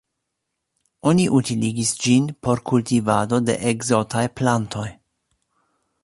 Oni utiligis ĝin por kultivado de ekzotaj plantoj.